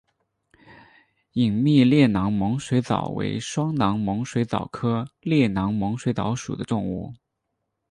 隐密裂囊猛水蚤为双囊猛水蚤科裂囊猛水蚤属的动物。